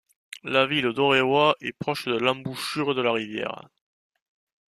La ville d’Orewa est proche de l’embouchure de la rivière.